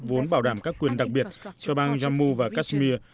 vốn bảo đảm các quyền đặc biệt cho bang jammu và kashmir